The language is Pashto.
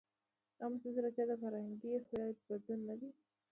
ایا مصنوعي ځیرکتیا د فرهنګي هویت بدلون نه چټکوي؟